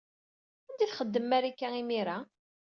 Anda ay txeddem Marika, imir-a?